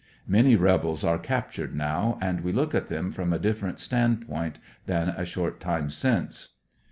Many rebels are captured now, and we look at them from a different stand point than a short time since.